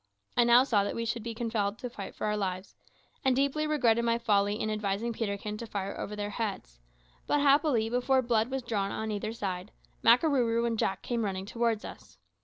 I now saw that we should be compelled to fight for our lives, and deeply regretted my folly in advising Peterkin to fire over their heads; but happily, before blood was drawn on either side, Makarooroo and Jack came running towards us.